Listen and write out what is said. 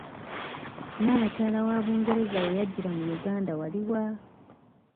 Naabakyala wa Bungereza we yajjira mu Uganda wali wa?